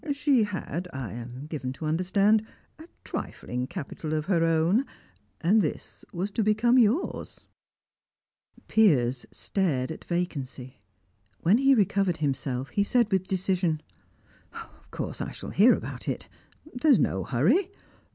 She had, I am given to understand, a trifling capital of her own, and this was to become yours." Piers stared at vacancy. When he recovered himself he said with decision: "Of course I shall hear about it. There's no hurry.